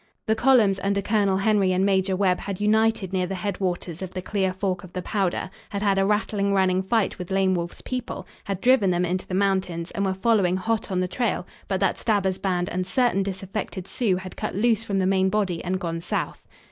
The columns under Colonel Henry and Major Webb had united near the head waters of the Clear Fork of the Powder; had had a rattling running fight with Lame Wolf's people; had driven them into the mountains and were following hot on the trail, but that Stabber's band and certain disaffected Sioux had cut loose from the main body and gone south.